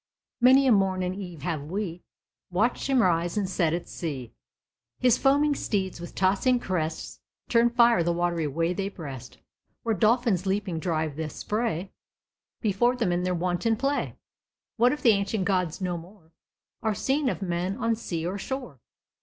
Many a morn and eve have we Watched him rise and set at sea, His foaming steeds with tossing crests Turn fire the watery way they breast, Where dolphins leaping drive the spray Before them in their wanton play. What if the ancient gods no more Are seen of men on sea or shore?